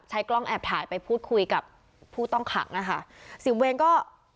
กล้องแอบถ่ายไปพูดคุยกับผู้ต้องขังนะคะสิบเวงก็